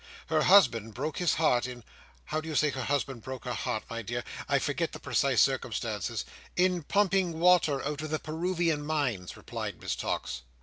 Her husband broke his heart in—how did you say her husband broke his heart, my dear? I forget the precise circumstances. "In pumping water out of the Peruvian Mines," replied Miss Tox.